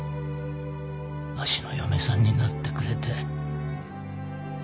わしの嫁さんになってくれて。